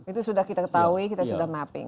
itu sudah kita ketahui kita sudah mapping